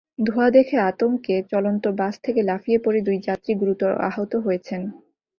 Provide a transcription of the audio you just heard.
ধোঁয়া দেখে আতঙ্কে চলন্ত বাস থেকে লাফিয়ে পড়ে দুই যাত্রী গুরুতর আহত হয়েছেন।